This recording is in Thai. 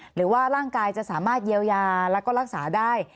หรือว่าร่างกายจะสามารถเยียวยาแล้วก็รักษาได้